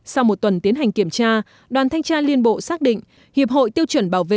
sau một tuần tiến hành kiểm tra đoàn thanh tra liên bộ xác định hiệp hội tiêu chuẩn bảo vệ